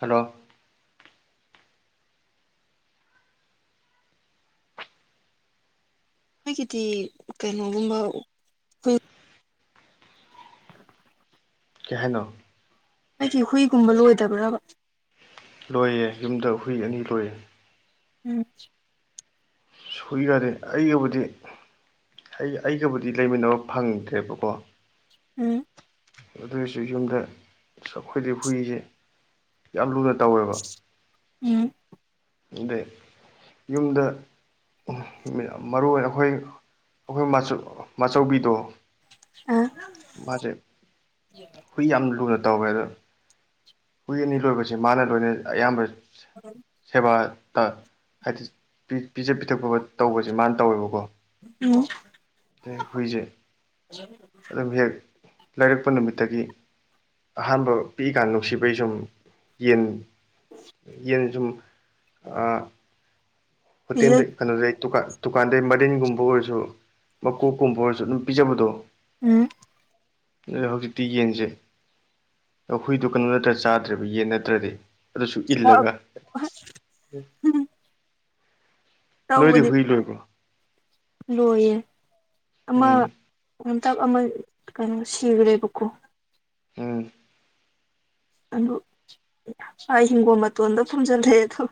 Hello ꯑꯩꯈꯣꯏꯒꯤꯗꯤ ꯀꯩꯅꯣꯒꯨꯝꯕ ꯑꯩꯣꯏ ꯀ ꯍꯥꯏꯥꯏꯅꯣ ꯑꯩꯒꯤ ꯍꯨꯏꯒꯨꯝꯕ ꯂꯣꯏꯗꯕ꯭ꯔꯕ ꯂꯣꯏꯌꯦ ꯌꯨꯝꯗ ꯍꯨꯏ ꯑꯅꯤ ꯂꯣꯏꯌꯦ ꯎꯝ ꯁꯨ ꯌꯥꯗꯦ ꯑꯩꯒꯕꯨꯗꯤ ꯑꯩ ꯑꯩꯒꯕꯨꯗꯤ ꯂꯩꯃꯤꯟꯅꯕ ꯐꯪꯗ꯭ꯔꯦꯕꯀꯣ ꯎꯝ ꯑꯗꯨ ꯑꯣꯏꯔꯁꯨ ꯌꯨꯝꯗ ꯑꯩꯈꯣꯏꯗ ꯍꯨꯏꯁꯦ ꯌꯥꯝ ꯂꯨꯅ ꯎꯝ ꯑ ꯌꯨꯝꯗ ꯃꯔꯨ ꯑꯣꯏꯅ ꯑꯩꯈꯣꯏ ꯑꯩꯈꯣꯏ ꯃꯆꯧꯕꯤꯗꯣ ꯑ ꯃꯥꯁꯦ ꯍꯨꯏ ꯌꯥꯝ ꯂꯨꯅ ꯇꯧꯋꯦ ꯑꯗꯣ ꯍꯨꯏ ꯑꯅꯤ ꯂꯣꯏꯕꯕꯁꯤꯦ ꯃꯥꯅ ꯂꯣꯏꯅ ꯑꯌꯥꯝꯕ ꯁꯦꯕꯥ ꯍꯥꯏꯗꯤ ꯄꯤꯖ ꯄꯤꯊꯛꯄ ꯇꯧꯕꯁꯦ ꯃꯥꯅ ꯇꯧꯋꯦꯕꯀꯣ ꯎꯝ ꯍꯨꯏꯖꯦ ꯍꯧ ꯂꯩꯔꯛꯄ ꯅꯨꯃꯤꯠꯇꯒꯤ ꯑꯍꯥꯟꯕ ꯄꯤꯛꯏꯀꯥꯟ ꯅꯨꯡꯁꯤꯕꯩ ꯁꯨꯝ ꯌꯦꯟ ꯌꯦ ꯑꯗꯨꯨꯝ ꯑ ꯐꯠꯇꯤꯟꯦꯟ ꯀꯩꯅꯣꯗ ꯇꯨ ꯀ ꯗꯨꯀꯥꯟꯗꯩ ꯃꯔꯤꯟꯒꯨꯝꯕ ꯑꯣꯏꯔꯁꯨ ꯃꯀꯣꯛꯀꯨꯝꯕ ꯑꯣꯏꯔꯁꯨ ꯑꯗꯨꯝ ꯄꯤꯖꯕꯗꯣ ꯎꯝ ꯑꯣꯏꯍꯒꯇꯒꯅꯁꯦ ꯍꯨꯏꯗꯨꯣ ꯀꯩꯅꯣ ꯅꯠꯇ꯭ꯔ ꯆꯥꯗ꯭ꯔꯦꯕ ꯌꯦꯟ ꯅꯠꯇ꯭ꯔꯗꯤ ꯑꯗꯨꯁꯨ ꯏꯜꯂꯒ ꯇꯧ ꯅꯣꯏꯗꯤ ꯂꯦ ꯍꯨꯏ ꯂꯣꯏꯕ꯭ꯔꯣ ꯑꯃ ꯎꯝ ꯑꯝꯇꯥꯛ ꯑꯃ ꯀꯩꯅꯣ ꯁꯤꯈ꯭ꯔꯦꯕꯀꯣ ꯎꯝ ꯑꯗꯨ ꯑꯩ ꯍꯤꯡꯒꯣꯜ ꯃꯇꯣꯟꯗ ꯐꯝꯖꯂ꯭ꯔꯦ ꯑꯗꯣ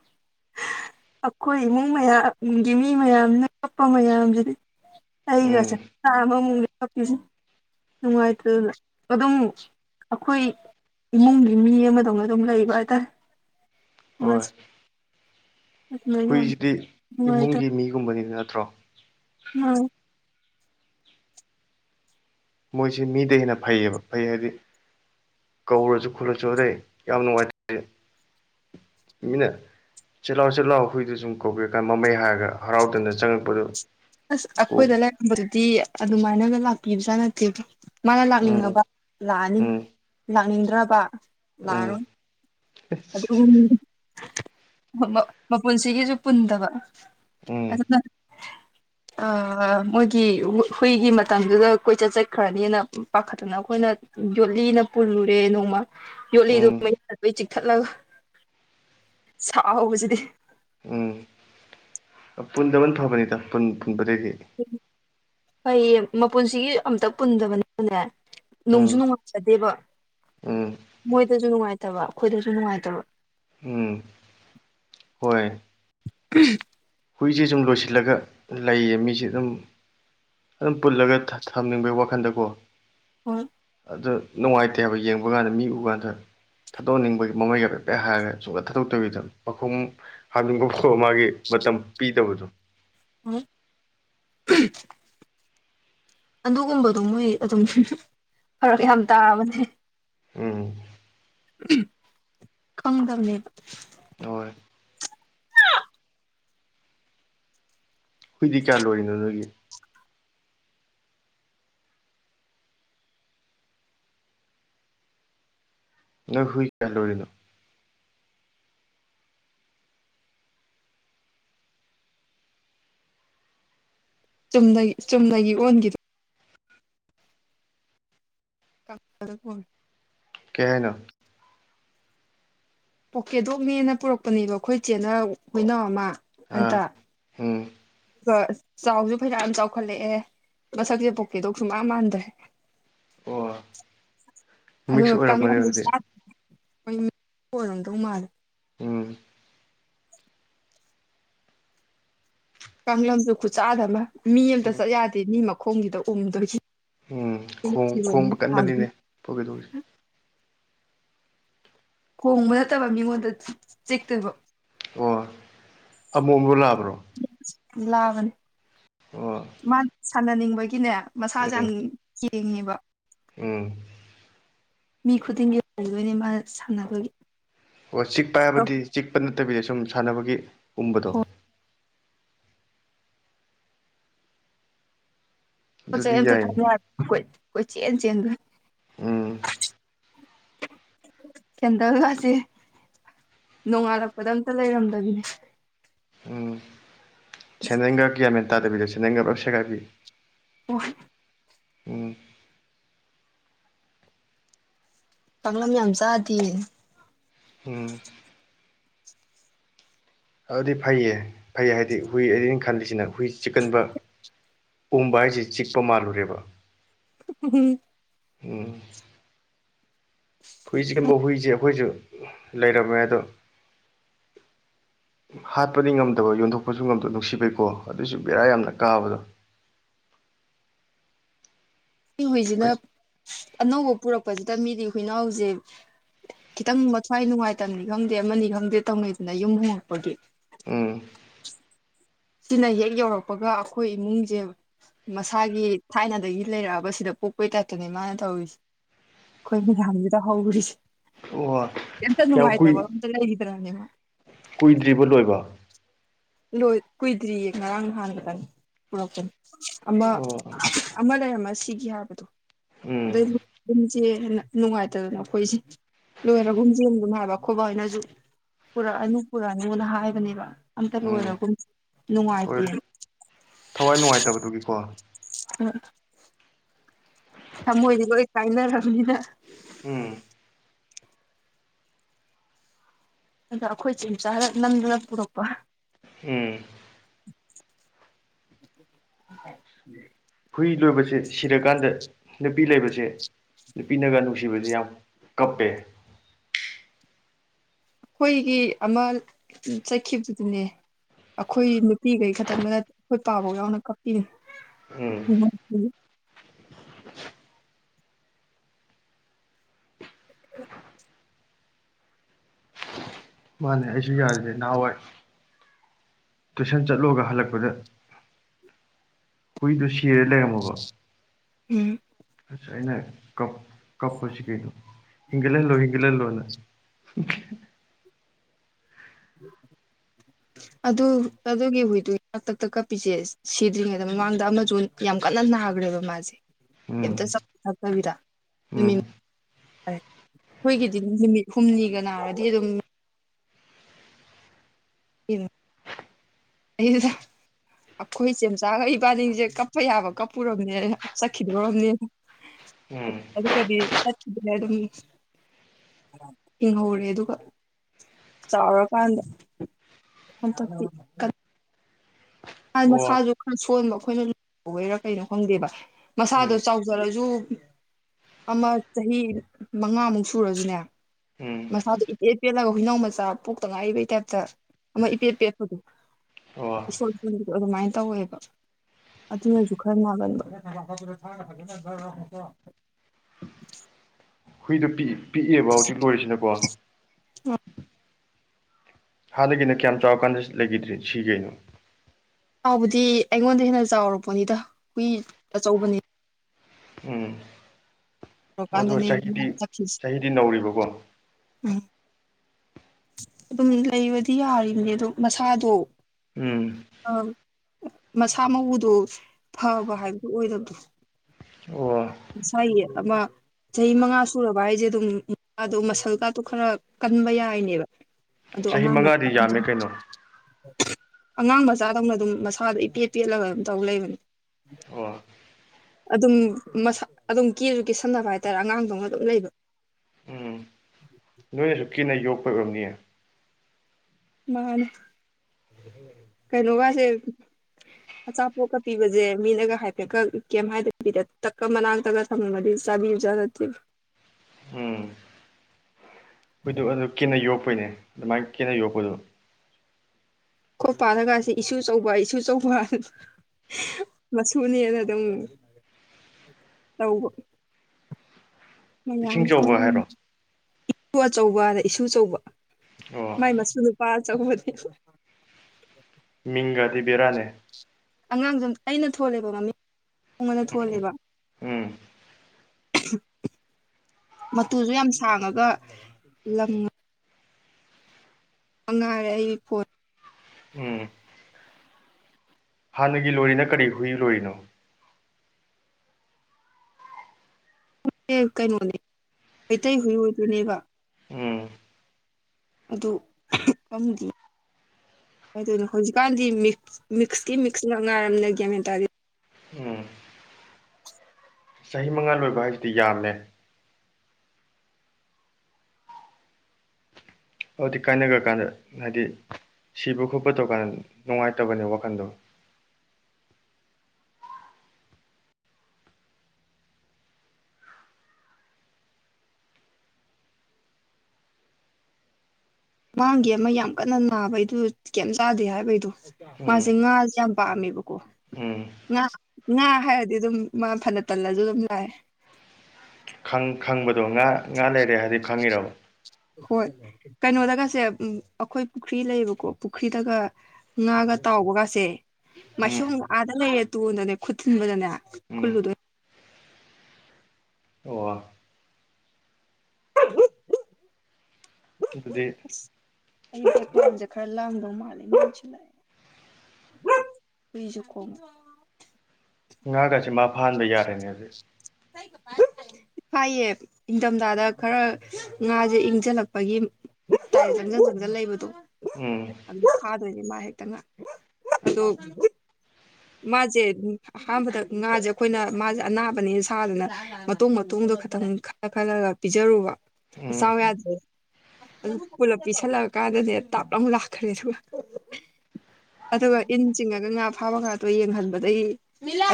ꯑꯩꯈꯣꯏ ꯏꯃꯨꯡ ꯃꯌꯥꯝꯒꯤ ꯃꯤ ꯃꯌꯥꯝꯁꯤꯅ ꯑꯇꯣꯞꯄ ꯃꯌꯥꯝꯁꯤꯅꯤ ꯎꯝ ꯍꯩꯒꯁꯦꯃ ꯍꯥꯥꯛꯄꯤꯁꯤ ꯅꯨꯡꯉꯥꯏꯇꯦ ꯑꯗꯨꯅ ꯑꯗꯨꯝ ꯑꯩꯈꯣꯏ ꯏꯃꯨꯡꯒꯤ ꯃꯤ ꯑꯃꯗꯧꯅ ꯑꯗꯨꯝ ꯂꯩꯕ ꯍꯣꯏ ꯍꯥꯏꯇꯥꯔꯦꯅꯨꯡ ꯍꯨꯏꯁꯤꯗꯤ ꯏꯃꯨꯡꯒꯤ ꯃꯤꯒꯨꯝꯕꯅꯤꯅ ꯅꯠꯇ꯭ꯔꯣ ꯎꯝ ꯃꯣꯏꯁꯤ ꯃꯤꯗ ꯍꯦꯟꯅ ꯐꯩꯌꯦꯕ ꯐꯩ ꯍꯥꯏꯗꯤ ꯀꯧꯔꯁꯨ ꯈꯣꯠꯂꯁꯨ ꯑꯗꯩ ꯌꯥꯝ ꯅꯨꯡꯉꯥꯏꯇꯦ ꯃꯤꯅ ꯆꯤ ꯂꯥꯛꯑꯣ ꯆꯤꯠꯂꯥꯛꯑꯣ ꯍꯨꯏꯗ ꯁꯨꯝ ꯀꯧꯕꯧꯤꯔꯀꯥꯟ ꯃꯃꯩ ꯍꯥꯏꯔꯒ ꯍꯔꯥꯎꯗꯅ ꯆꯪꯉꯛꯄꯗꯨꯣ ꯑꯁ ꯑꯩꯈꯣꯏꯗ ꯂꯩꯔꯝꯕꯗꯨꯗꯤ ꯑꯗꯨꯃꯥꯏꯅꯒ ꯂꯥꯛꯄꯤꯕꯖꯥ ꯅꯠꯇꯦꯕ ꯃꯥꯅ ꯎꯝ ꯂꯥꯛꯅꯤꯡꯉꯕ ꯂꯥꯛꯑꯅꯤ ꯎꯝ ꯂꯥꯛꯅꯤꯡꯗ꯭ꯔꯕ ꯎꯝ ꯂꯥꯛꯑꯔꯣꯏ ꯃꯄꯨꯟꯁꯤꯒꯤꯁꯨ ꯄꯨꯟꯗꯕ ꯎꯝ ꯑꯗꯨꯅ ꯃꯣꯏꯒꯤ ꯍꯨꯏꯒꯤ ꯃꯇꯝꯗꯨꯗ ꯀꯣꯏꯆꯠ ꯆꯠꯈ꯭ꯔꯅꯦꯅ ꯄꯥꯈꯠꯇꯅ ꯑꯩꯈꯣꯏꯅ ꯌꯣꯠꯂꯤꯅ ꯄꯨꯜꯂꯨꯔꯦ ꯅꯣꯡꯃ ꯌꯣꯠꯂꯤꯗ ꯎꯝ ꯊꯠꯂꯒ ꯁꯥꯍꯧꯕꯁꯤꯗꯤ ꯎꯝ ꯄꯨꯟꯗꯕꯅ ꯐꯕꯅꯤꯗꯟ ꯄꯨꯟꯕꯗꯩꯗꯤ ꯍꯩꯌꯦ ꯃꯄꯨꯟꯁꯤꯒꯤ ꯑꯝꯇ ꯄꯨꯟꯗꯕꯅꯅꯦ ꯎꯝ ꯅꯣꯡꯁꯨ ꯅꯨꯡꯉꯥꯏꯖꯗꯦꯕ ꯎꯝ ꯃꯣꯏꯗꯁꯨ ꯅꯨꯡꯉꯥꯏꯇꯕ ꯑꯩꯈꯣꯏꯗꯁꯨ ꯅꯨꯡꯉꯥꯏꯇꯕ ꯎꯝ ꯍꯣꯏ ꯍꯨꯏꯁꯦ ꯁꯨꯝ ꯂꯣꯏꯁꯤꯜꯂꯒ ꯂꯩꯌꯦ ꯃꯤꯁꯦ ꯑꯗꯨꯝ ꯑꯗꯨꯝ ꯄꯨꯜꯂꯒ ꯊꯝꯅꯤꯡꯕꯒꯤ ꯋꯥꯈꯟꯗꯀꯣ ꯍꯣꯏ ꯑꯗꯨꯗ ꯅꯨꯡꯉꯥꯏꯇꯦꯕ ꯌꯦꯡꯕ ꯀꯥꯟꯗ ꯃꯤ ꯎꯕ ꯀꯥꯟꯗ ꯊꯥꯗꯣꯛꯍꯟꯅꯤꯡꯕꯒꯤ ꯃꯃꯩꯒ ꯄꯦꯠꯄꯦ ꯍꯥꯏꯔꯒ ꯁꯨꯡꯊꯥ ꯊꯥꯗꯣꯛꯇꯕꯤꯗꯣ ꯃꯈꯣꯡ ꯍꯥꯞꯅꯤꯡꯕ ꯀꯣ ꯃꯥꯒꯤ ꯃꯇꯝ ꯄꯤꯗꯕꯗꯣ꯫ [unintelligible] ꯑꯗꯨꯒꯨꯝꯕꯗꯣ ꯃꯣꯏ ꯑꯗꯨꯝ ꯐꯔꯛ ꯌꯥꯝ ꯇꯥꯕꯅꯦ꯫ ꯎꯝ꯫ ꯈꯪꯗꯝꯅꯦꯕ꯫ ꯍꯣꯏ ꯍꯨꯏꯗꯤ ꯀꯥꯌ ꯂꯣꯔꯤꯅꯣ ꯅꯣꯏꯒꯤ꯫ ꯅꯪ ꯍꯨꯏ ꯀꯥꯌ ꯂꯣꯏꯔꯤꯅꯣ꯫ ꯆꯨꯝꯗꯒꯤ ꯆꯨꯝꯗꯒꯤ ꯑꯣꯟꯈꯤ [unintelligible] ꯀꯩ ꯍꯥꯏꯅꯣ꯫ ꯄꯣꯀꯦꯗꯣꯛꯅꯦꯅ ꯄꯨꯔꯛꯄꯅꯦꯕ ꯑꯩꯈꯣꯏ ꯆꯦꯅ ꯍꯣꯅꯥꯎ ꯑꯃ꯫ ꯑꯥ ꯍꯟꯇꯛ ꯎꯝ꯫ ꯑꯗꯨꯒ ꯆꯥꯎꯁꯨ ꯐꯩꯅꯌꯥꯝ ꯆꯥꯎꯈꯠꯂꯛꯑꯦ ꯃꯁꯛꯁꯦ ꯄꯣꯛꯀꯦꯗꯣꯛ ꯁꯨꯡ ꯃꯥꯟ ꯃꯥꯟꯗ꯭ꯔꯦ꯫ ꯑꯣ ꯑꯗꯨꯒ ꯃꯤꯛꯁ ꯑꯣꯏꯔꯝꯃꯅꯤ ꯀꯥꯡꯒꯟ ꯁꯨ ꯑꯗꯨꯗꯤ ꯁꯥꯏ ꯑꯩꯗ ꯃꯨꯠꯄ ꯑꯣꯏꯔꯝꯗꯧ ꯃꯥꯜꯂꯦ꯫ ꯎꯝ꯫ ꯀꯥꯡꯂꯝꯁꯨ ꯈꯨꯠꯆꯥꯗ ꯑꯃ ꯃꯤ ꯑꯃꯇ ꯎꯝ ꯆꯠ ꯌꯥꯗꯦ ꯃꯤ ꯃꯈꯣꯡꯒꯤꯗ ꯎꯝꯗꯣꯏꯒꯤ꯫꯫ ꯎꯝ ꯈꯣꯡ ꯈꯣꯡꯕ ꯀꯟꯕꯅꯤꯅꯦ [inaudible] ꯄꯨꯒꯗꯧꯁꯦ ꯍꯣꯡꯕ ꯅꯠꯇꯕ ꯃꯤꯉꯣꯟꯗ ꯆꯤꯛꯇꯧꯕ꯫ ꯑꯣ ꯑꯃꯣꯝꯂꯤ ꯂꯥꯛꯑꯕ꯭ꯔꯣ꯫ ꯂꯥꯕꯅꯦ ꯃꯥ ꯁꯥꯟꯅꯅꯤꯡꯕꯒꯤꯅꯦ ꯃꯁꯥꯁꯦ ꯎꯝ ꯌꯥꯝ ꯌꯦꯡꯉꯤꯕ꯫ ꯎꯝ꯫ ꯃꯤ ꯈꯨꯗꯤꯡꯒꯤ ꯎꯝꯗꯣꯏꯅꯤ ꯃꯥꯅꯁꯥꯟꯅꯕꯒꯤ꯫ ꯑꯣ ꯆꯤꯛꯄ ꯍꯥꯏꯕꯗꯤ ꯆꯤꯛꯄ ꯅꯠꯇꯕꯤꯗ ꯁꯨꯝ ꯁꯥꯟꯅꯕꯒꯤ ꯎꯝꯕꯗꯣ꯫ ꯍꯣꯏ ꯄꯣꯠ ꯆꯩ ꯑꯗꯨꯗꯤ ꯑꯃꯇ ꯌꯥꯏꯅꯦ ꯊꯥꯝꯃꯔꯣꯏ ꯀꯣꯏ ꯀꯣꯏꯆꯦꯟ ꯆꯦꯟꯕ꯫ ꯎꯝ꯫ ꯀꯦꯟꯗꯥꯜꯒꯥꯁꯤ꫰꫰ ꯅꯣꯡꯉꯥꯜꯂꯛꯄꯗ ꯑꯝꯇ ꯂꯩꯔꯝꯗꯕꯤꯅꯤ꯫ ꯎꯝ ꯁꯦꯟꯗꯟꯒ ꯒꯤꯌꯥꯟꯃꯦꯟ ꯇꯥꯗꯕꯤꯗꯣ ꯁꯦꯟꯗꯟꯒ ꯄꯨꯂꯞ ꯁꯦꯒꯥꯏꯕꯤ꯫ [unintelligible] ꯎꯝ꯫ ꯀꯥꯡꯂꯝ ꯌꯥꯝ ꯆꯥꯗꯦꯌꯦ꯫ ꯎꯝ꯫ ꯑꯗꯨꯗꯤ ꯐꯩꯌꯦ ꯐꯩꯌꯦ ꯍꯥꯏꯗꯤ ꯍꯨꯏ ꯑꯩꯅ ꯈꯜꯂꯤꯁꯤꯅ ꯍꯨꯏ ꯆꯤꯛꯀꯟꯕ ꯎꯝꯕ ꯍꯥꯏꯁꯤ ꯆꯤꯛꯄ ꯃꯥꯜꯂꯨꯔꯦꯕ꯫ [unintelligible] ꯎꯝ꯫ ꯍꯨꯏꯆꯤꯛꯀꯟꯕ ꯍꯨꯏꯁꯦ ꯑꯩꯈꯣꯏꯁꯨ ꯂꯩꯔꯝꯃꯦ ꯑꯗꯣ꯫ ꯍꯥꯠꯄꯗꯤ ꯉꯝꯗꯕ ꯌꯣꯟꯊꯣꯛꯄꯁꯨ ꯉꯝꯗꯕ ꯅꯨꯡꯁꯤꯕꯩꯀꯣ ꯑꯗꯣꯏꯁꯨ ꯕꯦꯔꯥ ꯌꯥꯝꯅ ꯀꯥꯕꯗꯣ꯫ [inaudible] ꯑꯩꯒꯤ ꯍꯨꯏꯁꯤꯅ ꯐꯩ ꯑꯅꯧꯕ ꯄꯨꯔꯛꯄꯁꯤꯗ ꯃꯤꯗꯤ ꯍꯨꯏꯅꯥꯎꯖꯦ ꯈꯤꯇꯪ ꯃꯊ꯭ꯋꯥꯏ ꯅꯨꯡꯉꯥꯏꯇꯝꯅꯤ ꯈꯪꯗꯦ ꯑꯃꯅꯤ ꯈꯪꯗꯦ ꯇꯧꯅꯩꯗꯅ ꯌꯨꯝ ꯍꯣꯡꯉꯛꯄꯒꯤ꯫ ꯎꯝ꯫ ꯁꯤꯅ ꯍꯦꯛ ꯌꯧꯔꯛꯄꯒ ꯑꯩꯈꯣꯏ ꯏꯃꯨꯡꯁꯦ ꯃꯁꯥꯒꯤ ꯊꯥꯏꯅꯗꯒꯤ ꯂꯩꯔꯛꯑꯕꯁꯤꯗ ꯄꯣꯛꯄꯩ ꯇꯠꯇꯅꯤ ꯃꯥꯅ ꯇꯧꯔꯤꯁꯦ ꯑꯩꯈꯣꯏ ꯃꯌꯥꯝꯁꯤꯗ ꯍꯧꯔꯤꯁꯦ꯫ ꯑꯣ ꯀꯩꯝꯇ ꯅꯨꯡꯉꯥꯏꯇꯕ ꯑꯃꯇ ꯂꯩꯒꯔ꯭ꯤꯗꯝꯅꯤ ꯃꯥ꯫ ꯀꯨꯏꯗ꯭ꯔꯤꯕꯣ ꯂꯣꯏꯕ꯫ ꯂꯣꯏ ꯀꯨꯏꯗ꯭ꯔꯤꯌꯦ ꯉꯔꯥꯡ ꯅꯍꯥꯟ ꯈꯥꯇꯪ ꯄꯨꯔꯛꯄꯅꯤ꯫ ꯑꯃ ꯑꯣ ꯑꯃ ꯂꯩꯔꯝꯃ ꯁꯤꯒꯤ ꯍꯥꯏꯕꯗꯣ ꯎꯝ ꯑꯗ [unintelligible] ꯅꯨꯡꯉꯥꯏꯇꯗꯅ ꯑꯩꯈꯣꯏꯁꯦ ꯂꯣꯏꯔꯒꯨꯝ ꯌꯦꯟ ꯑꯗꯨꯝ ꯍꯥꯏꯕ ꯑꯩ ꯈꯣꯕ ꯍꯥꯏꯅꯁꯨ ꯄꯨꯔꯛꯑꯅꯨ ꯄꯨꯔꯛꯑꯅꯨꯅ ꯍꯥꯏꯕꯅꯦꯕ ꯑꯝꯇ ꯎꯝ ꯂꯣꯏꯔꯒꯨꯝ ꯍꯣꯏ ꯅꯨꯡꯉꯥꯏꯇꯦ ꯊꯋꯥꯏ ꯅꯨꯡꯉꯥꯏꯇꯕꯗꯨꯒꯤꯀꯣ ꯑꯝ ꯃꯤꯗ ꯎꯝ ꯑꯗ ꯑꯩꯈꯣꯏ ꯆꯦ ꯏꯆꯥꯔ ꯅꯝꯗꯨꯅ ꯄꯨꯔꯛꯄ ꯎꯝ ꯎ [unintelligible] ꯅꯨꯄꯤ ꯂꯣꯏꯕꯁꯦ ꯁꯤꯔꯀꯥꯟꯗ ꯅꯨꯄꯤ ꯂꯩꯕꯁꯦ ꯅꯨꯄꯤꯅꯒ ꯅꯨꯡꯁꯤꯕꯁ ꯌꯥꯝ ꯀꯞꯄꯦ ꯑꯩꯈꯣꯏꯒꯤ ꯑꯃ ꯆꯠꯈꯤꯕꯗꯨꯗꯨꯅꯦ ꯑꯩꯈꯣꯏ ꯅꯨꯄꯤꯈꯩ ꯈꯛꯇꯪꯗꯅ ꯑꯩꯈꯣꯏ ꯄꯥꯐꯧ ꯌꯥꯎꯅ ꯀꯛꯄꯤꯅꯤ ꯎꯝ ꯎ [unintelligible] ꯃꯥꯅꯦ ꯑꯩꯁꯨ ꯌꯥꯔꯁꯦ ꯅꯍꯥꯟꯋꯥꯏ ꯇꯨꯏꯁꯟ ꯆꯠꯂꯣꯒ ꯍꯜꯂꯛꯄꯗ ꯍꯨꯏꯗꯨ ꯆꯔ ꯂꯩꯦ ꯃꯕ ꯎꯝ ꯑꯁ ꯑꯩꯅ ꯀꯞꯄꯁꯤ ꯀꯩꯅꯣ ꯏꯤꯡꯀꯂꯜꯂꯣ ꯍꯤꯡꯀꯂ ꯂꯂꯣꯜꯅ ꯎꯝ ꯎ [unintelligible] ꯑꯗꯨ ꯑꯗꯨꯒꯤ ꯍꯨꯏꯗ ꯇꯥꯛꯇꯛꯇꯛ ꯀꯞꯄꯤꯁꯦ ꯁꯤꯗ꯭ꯔꯤꯉꯩꯗ ꯃꯃꯥꯡꯗ ꯑꯃꯖꯣꯟ ꯌꯥꯝ ꯀꯟꯅ ꯅꯥꯕ ꯕ ꯎꯝ ꯃꯥꯁꯦꯇꯕꯤꯗ ꯎꯝ ꯑꯩꯈꯣꯏꯒꯤꯗꯤ ꯅꯨꯃꯤꯠ ꯍꯨꯝꯅꯤꯒ ꯅꯥꯔꯗꯤ ꯑꯗꯨꯝ ꯗ [inaudible] ꯑꯩꯈꯣꯏ ꯆꯦꯆꯥꯒ ꯏꯕꯥꯅꯤꯁꯦ ꯀꯞꯄ ꯌꯥꯕ ꯀꯞꯄꯨꯔꯕꯅꯦ ꯆꯠꯈꯤꯗꯧꯔꯕꯅꯦ ꯎꯝ ꯑꯗꯨꯗꯤ ꯆꯠꯈꯤꯗꯅꯦ ꯑꯗꯨꯝ ꯏꯪꯍꯧꯔꯦ ꯑꯗꯨꯒ ꯆꯥꯎꯔꯀꯥꯟꯗ ꯍꯄꯤ ꯀ [unintelligible] ꯃꯥ ꯑꯣ ꯃꯁꯥꯁꯨ ꯈꯔ ꯁꯣꯟꯕ ꯑꯩꯈꯣꯏꯅ ꯒꯦꯔꯥ ꯀꯩꯅꯣ ꯈꯪꯗꯦꯕ ꯃꯁꯥꯗꯣ ꯎꯝ ꯆꯥꯎꯖꯔꯁꯨ [inaudible] ꯑꯃ ꯆꯍꯤ ꯃꯉꯥꯃꯨꯛ ꯁꯨꯔꯁꯨꯅꯦ ꯎꯝ ꯃꯁꯥꯗꯣ ꯏꯇꯦꯠ ꯄꯦꯜꯂꯒ ꯍꯨꯏꯅꯥꯧ ꯃꯆꯥ ꯄꯣꯛꯇ ꯉꯥꯏꯔꯤꯕꯩ ꯇꯥꯏꯞꯇ ꯑꯃ ꯏꯄꯦ ꯏꯠꯇꯦꯊꯗ ꯑ ꯑꯗꯨꯃꯥꯏꯅ ꯇꯧꯋꯦꯕ ꯑꯗꯨꯅ ꯖꯨꯈꯔ ꯃꯥꯒꯗ ꯍꯨꯏꯗꯣ ꯄꯤ ꯄꯤꯛꯑꯦꯕ ꯍꯧꯖꯤꯛ ꯂꯣꯏꯔꯤꯁꯤꯅꯀꯣ ꯍꯥꯟꯅꯒꯤꯅꯣ ꯀꯌꯥꯝ ꯆꯥꯎꯔꯀꯥꯟꯗ ꯂꯩꯈꯤꯗ꯭ꯔꯤ ꯁꯤ ꯀꯩꯅꯣ ꯆꯥꯎꯕꯨꯗꯤ ꯑꯩꯉꯣꯟꯗ ꯍꯦꯟꯅ ꯆꯥꯎꯔꯛꯄꯅꯤꯗ ꯍꯨꯏ ꯑꯆꯧꯕꯅꯤ ꯑꯗ ꯇꯧꯔꯀꯥꯟꯗꯅꯦꯕ ꯆꯍꯤꯗꯤ ꯃꯥꯅ ꯆꯠꯈꯤꯁꯦ ꯆꯍꯤꯗꯤ ꯅꯧꯔꯤꯕꯀꯣ ꯑꯗꯨꯝ ꯂꯩꯕꯗꯤ ꯌꯥꯔꯤꯕꯅꯤ ꯑꯗꯨꯗꯣ ꯃꯁꯥꯗꯣ ꯎꯝ ꯑ ꯃꯁꯥ ꯃꯎꯗꯣ ꯐꯕ ꯍꯥꯏꯕꯗꯨ ꯑꯣꯏꯗꯕ꯭ꯔꯣ ꯑꯣ ꯁꯥꯏꯌꯦ ꯑꯃꯃ ꯆꯍꯤ ꯃꯉꯥ ꯁꯨꯔꯕ ꯍꯥꯏꯁꯦ ꯑꯗꯨꯝ ꯑꯗꯣ ꯃꯁꯜ ꯀꯥꯇꯣ ꯈꯔ ꯀꯟꯕ ꯌꯥꯏꯅꯦꯕ ꯑꯗꯨ ꯆꯍꯤ ꯑꯉꯥꯡ ꯃꯆꯥ ꯃꯉꯥꯗꯤ ꯌꯥꯝꯃꯦ ꯀꯩꯅꯣ ꯑꯉꯥꯡ ꯃꯆꯥꯗꯧꯅ ꯑꯗꯨꯝ ꯃꯁꯥꯗ ꯏꯄꯦꯠ ꯄꯦꯠꯂꯒ ꯑꯗꯨꯝ ꯇꯧ ꯂꯩꯕꯅꯦ ꯑꯣ ꯑꯗꯨꯝꯁ ꯑꯗꯨꯝ ꯀꯦꯖꯀꯤ ꯁꯟꯅꯅꯕ ꯍꯥꯏꯇꯥꯔꯦ ꯑꯉꯥꯡꯗꯧꯅ ꯑꯗꯨꯝ ꯂꯩꯕ ꯎꯝ ꯅꯣꯏꯅꯁꯨ ꯀꯤꯅ ꯌꯣꯛꯄ ꯑꯣꯏꯝꯅꯤ ꯃꯥꯅꯦ ꯀꯩꯅꯔꯒꯁꯦ ꯑꯆꯥꯄꯣꯠꯀ ꯄꯤꯕꯁꯦ ꯃꯤꯅꯒ ꯍꯥꯏꯐꯦꯠꯀ ꯀꯩꯝ ꯍꯥꯏꯗ ꯄꯤꯗ ꯇꯛꯀ ꯃꯅꯥꯛꯛꯇꯛꯀ ꯊꯝꯃꯒꯗꯤ ꯇꯥꯕꯤ ꯏꯖꯥꯖ ꯎꯝ ꯍꯣꯏꯗ ꯑꯗꯨ ꯀꯦꯟꯅ ꯌꯣꯛꯄꯩꯅꯦ ꯑꯗꯨꯃꯥꯏꯅ ꯀꯦꯟꯅ ꯌꯣꯛꯄꯗꯨꯣ ꯈꯣꯏ ꯄꯥꯜꯂꯒꯁꯤꯦ ꯏꯁꯨꯆꯧꯕ ꯏꯁꯨ ꯑꯧꯕ ꯃꯁꯨꯅꯦꯅ ꯑꯗꯨꯝ ꯇꯧꯕ ꯃꯌꯥꯝꯁꯤꯅ ꯏꯁꯤꯡꯆꯧꯕ ꯍꯥꯏꯔꯣ ꯏꯆꯁꯨ ꯑꯆꯧꯕ ꯑꯗ ꯏꯁꯨ ꯑꯆꯧꯕ ꯑꯣ ꯃꯥꯏ ꯃꯁꯨ ꯅꯨꯄꯥ ꯑꯆꯧꯕꯅꯤ ꯃꯤꯒꯥꯗꯤ ꯕꯔꯥꯅꯦ ꯑꯉꯥꯡꯁꯨ ꯑ ꯑꯩꯅ ꯊꯣꯜꯂꯦꯕ ꯃꯃꯤꯡ ꯅꯣꯡ ꯑꯃꯗ ꯊꯣꯜꯂꯦꯕ ꯎꯝ ꯃꯇꯨꯁꯨ ꯌꯥꯝ ꯁꯥꯡꯉꯒ ꯂꯪꯉ ꯃꯉꯥꯏꯔꯦ ꯑꯩ ꯐꯣꯟ ꯎꯝ ꯍꯥꯟꯅꯒꯤ ꯂꯣꯏꯔꯤꯅ ꯀꯔꯤ ꯍꯨꯏ ꯂꯣꯔꯤꯅꯣ ꯀꯩꯅꯣꯅꯦ ꯃꯩꯇꯩ ꯍꯨꯏꯔꯨꯗꯨꯅꯦꯕ ꯎꯝ ꯑꯗꯨ ꯀꯝꯒꯤ ꯑꯗꯨꯅ ꯍꯧꯖꯤꯛꯀꯥꯟꯗꯤ ꯃꯤꯛꯁꯀꯤ ꯃꯤꯛꯁꯅ ꯉꯥꯏꯔꯝꯅꯒꯦꯝ ꯍꯥꯏ ꯇꯥꯔꯗꯤ ꯎꯝ ꯆꯍꯤ ꯃꯉꯥ ꯂꯣꯏꯕ ꯍꯥꯏꯁꯤꯗꯤ ꯌꯥꯝꯃꯦ ꯑꯗꯨꯗꯤ ꯀꯥꯏꯅꯈ꯭ꯔ ꯀꯥꯟꯗ ꯍꯥꯏꯗꯤ ꯁꯤꯕ ꯈꯣꯠꯄ ꯇꯧꯀꯥꯟꯗ ꯅꯨꯡꯉꯥꯏꯇꯕꯅꯦ ꯋꯥꯈꯟꯗꯣ ꯃꯥꯡꯒꯤ ꯑꯃ ꯌꯥꯝ ꯀꯟꯅ ꯅꯥꯕꯩꯗꯨ ꯀꯩꯝ ꯆꯥꯗꯦ ꯍꯥꯏꯕꯩꯗꯣ ꯎꯝ ꯃꯥꯁꯦ ꯉꯥꯁꯦ ꯌꯥꯝ ꯄꯥꯝꯃꯦꯕ ꯣ ꯎꯝ ꯉꯥ ꯉꯥ ꯍꯥꯏꯔꯗꯤ ꯑꯗꯨꯝ ꯃꯥ ꯐꯅ ꯇꯜꯂꯁꯨ ꯑꯗꯨꯝ ꯂꯥꯛꯑ ꯈꯪꯕꯗꯣ ꯉꯥ ꯉꯥ ꯂꯩꯔꯦ ꯍꯥꯏꯗꯤ ꯈꯪꯉꯤꯔꯕ ꯍꯣꯏ ꯀꯩꯅꯣꯗꯒꯁꯦ ꯑꯩꯈꯣꯏ ꯄꯨꯈ꯭ꯔꯤ ꯂꯩꯌꯦꯕꯀꯣ ꯄꯨꯈ꯭ꯔꯤꯗꯒ ꯉꯥꯒ ꯇ ꯍꯕꯒꯥꯁꯦ ꯎꯝ ꯃꯥꯏꯁꯣ ꯑꯥꯗ ꯂꯩꯔꯦ ꯇꯨꯗꯅꯦ ꯈꯨ ꯊꯤꯟꯕꯗꯅꯦ ꯎꯝ ꯈꯨꯜꯂꯨꯗ ꯑꯣ ꯑꯗꯨꯗꯤ ꯑꯄꯝꯗ ꯈꯔ ꯂꯥꯡꯗꯧ ꯃꯥꯜꯂꯦ ꯉꯁꯤꯜꯂꯥꯛꯑꯦ ꯀꯏꯁꯨ ꯀꯝ ꯉꯥꯒꯁꯤꯦ ꯃꯥ ꯐꯥꯟꯥꯟꯕ ꯌꯥꯔꯦꯅꯦ ꯍꯧꯖꯤ ꯐꯥꯏꯌꯦ ꯏꯪꯊꯝꯊꯥꯗ ꯈꯔ ꯉꯥꯁꯦ ꯏꯪꯁꯤꯜꯂꯛꯄꯒꯤ ꯇꯥꯏꯖꯪꯖꯟ ꯁꯟꯖꯟ ꯂꯩꯕꯗꯣ ꯎꯝ ꯑꯗꯨ꯭ꯔꯦ ꯃꯥ ꯍꯦꯛꯇꯅꯣ ꯃꯥꯁꯦ ꯑꯍꯥꯟꯕꯗ ꯉꯥꯁꯦ ꯑꯩꯈꯣꯏꯅ ꯃꯥꯁꯦ ꯑꯅꯥꯕꯅꯤꯅ ꯁꯥꯗꯅ ꯃꯇꯣꯡ ꯃꯇꯣꯡꯗ ꯇꯪ ꯈꯜꯂ ꯈꯜꯂꯒ ꯄꯤꯖꯔꯨꯕ ꯎꯝ ꯆꯥꯎ ꯌꯥꯗ꯭ꯔꯦ ꯑꯗꯨ ꯄꯨꯂꯞ ꯄꯤꯁꯜꯂꯛꯑꯀꯥꯟꯗꯅꯦ ꯇꯥꯞꯇ ꯑꯃꯨꯛ ꯂꯥꯛꯈ꯭ꯔꯦ ꯑꯗꯨꯒ ꯑꯗꯨꯒ ꯏꯟ ꯆꯤꯡꯉꯒ ꯉꯥ ꯐꯥꯕ ꯉ ꯣ ꯌꯦꯡꯍꯟꯕꯗꯒꯤ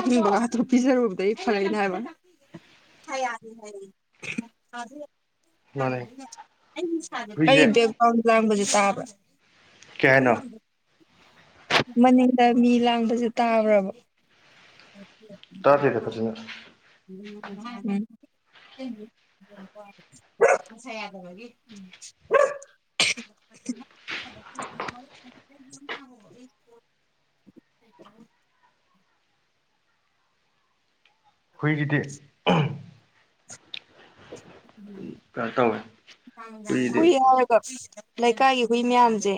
ꯑꯤꯡꯕꯒ ꯍꯥꯇ꯭ꯔꯨ ꯄꯤꯖꯔꯨꯕꯗꯒꯤꯩ ꯐꯔꯦꯅꯦ ꯍꯥꯏꯕ ꯍꯥꯏ ꯌꯥ ꯃꯥꯅꯦ ꯍꯥꯏ ꯍꯨꯏꯁꯦ ꯑꯩꯒ꯭ꯔꯥꯎꯟ ꯂꯥꯡꯕꯖꯤ ꯇꯥꯕ ꯀꯩ ꯍꯥꯏꯅꯣ ꯍ ꯃꯅꯤꯡꯗ ꯃꯤ ꯂꯥꯡꯕꯁꯨꯦ ꯇꯥꯕ꯭ꯔꯕ ꯇꯥꯗꯦꯗ ꯐꯖꯅ ꯎ ꯃꯁꯥ ꯌꯥꯗꯕꯒꯤ ꯎꯝ [unintelligible] [inaudible] ꯑꯩꯈꯣꯏꯒꯤꯗꯤ ꯀꯩꯅꯣ ꯇꯧꯋꯦ ꯍꯨꯏꯒꯤꯗꯤ ꯌꯥꯒ ꯂꯩꯀꯥꯏꯒꯤ ꯍꯨꯏ ꯃꯌꯥꯝꯁꯦ